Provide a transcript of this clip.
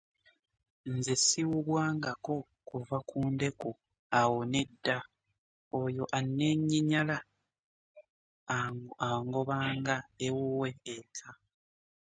Nze siwubwangako kuva ku ndeku awo nedda, oyo anneenyinyala angobanga ewuwe eka